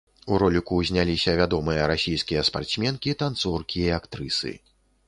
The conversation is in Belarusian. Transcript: У роліку зняліся вядомыя расійскія спартсменкі, танцоркі і актрысы.